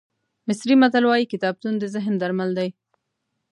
مصري متل وایي کتابتون د ذهن درمل دی.